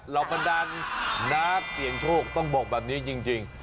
บรรดานนักเสี่ยงโชคต้องบอกแบบนี้จริง